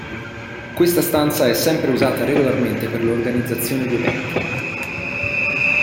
Questa stanza è sempre usata regolarmente per l'organizzazione di eventi.